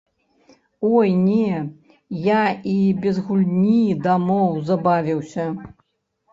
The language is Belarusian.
Ой не, я і без гульні дамоў забавіўся!